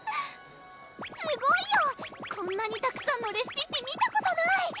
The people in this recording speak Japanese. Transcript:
すごいよこんなにたくさんのレシピッピ見たことない！